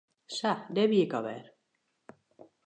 Sa, dêr wie ik al wer.